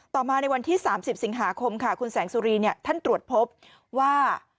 ต่อมาในวันที่๓๐สิงหาคมค่ะคุณแสงสุรีเนี่ยท่านตรวจพบว่า